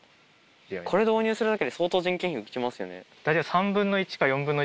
これ導入するだけで相当人件費浮きますよね？